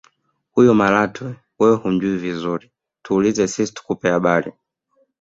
Huyo Malatwe wewe humjui vizuri tuulize sisi tukupe habari